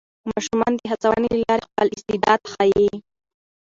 ماشومان د هڅونې له لارې خپل استعداد ښيي